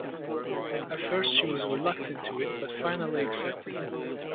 At first she was reluctant to it but finally accepted.